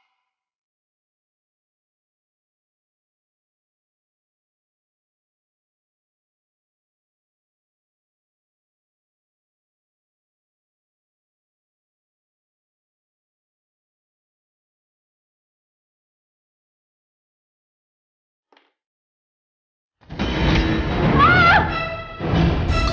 tentu saja kita bisa menemukan tuhan